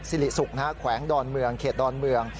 สิริสุขแขวงดอนเมืองเขตดอนเมือง